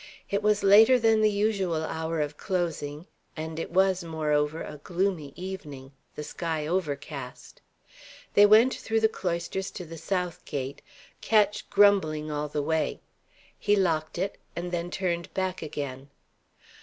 It was later than the usual hour of closing, and it was, moreover, a gloomy evening, the sky overcast. They went through the cloisters to the south gate, Ketch grumbling all the way. He locked it, and then turned back again.